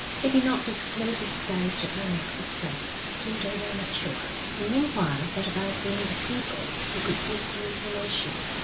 He did not disclose his plans to any of his friends till they were mature, and meanwhile set about seeing the people who could give him information.